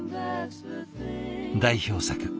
代表作